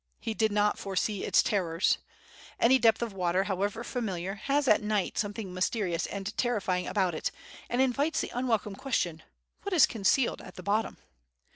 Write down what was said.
He did not foresee its terrors. Any depth of water, however familiar, has at night something mysterious and terrifying about it and invites the unwelcome question: "What is con cealed at the bottom?"